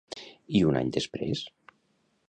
I un any després?